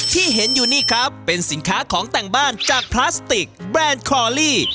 ที่เห็นอยู่นี่ครับเป็นสินค้าของแต่งบ้านจากพลาสติกแบรนด์คลอลี่